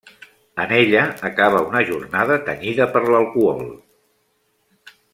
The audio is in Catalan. En ella acaba una jornada tenyida per l'alcohol.